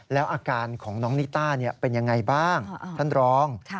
แล้วอาการของน้องนิต้าเป็นยังไงบ้างท่านรอง